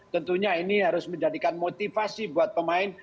tentunya ini harus menjadikan motivasi buat pemain